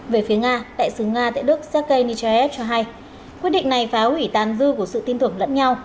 về phía nga đại sứ nga tại đức sergei nichayev cho hay quyết định này phá hủy tàn dư của sự tin tưởng lẫn nhau